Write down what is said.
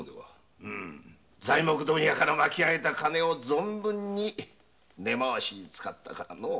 うむ材木問屋から巻き上げた金を存分に根回しに使ったからのう。